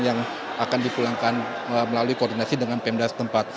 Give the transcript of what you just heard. yang akan dipulangkan melalui koordinasi dengan pemda setempat